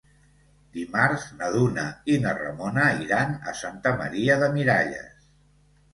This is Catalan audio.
Dimarts na Duna i na Ramona iran a Santa Maria de Miralles.